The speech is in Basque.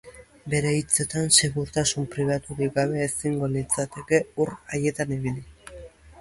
Bere hitzetan, segurtasun pribaturik gabe ezingo litzateke ur haietan ibili.